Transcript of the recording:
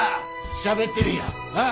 しゃべってみいやああ？